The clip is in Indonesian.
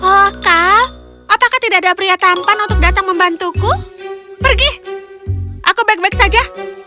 oka apakah tidak ada pria tampan untuk datang membantuku pergi aku baik baik saja